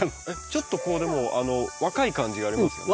ちょっとこうでも若い感じがありますね。